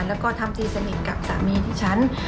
แล้วก็ทำตีสนิทกับสามีที่ฉัน